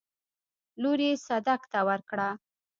لور يې صدک ته ورکړه.